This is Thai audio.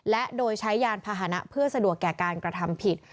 และโดยใช้ยานพาหนะเพื่อสะดวกแก่การกระทำผิด